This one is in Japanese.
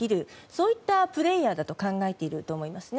そういったプレーヤーだと考えていると思います。